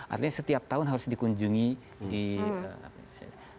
artinya setiap tahun harus dikunjungi di indonesia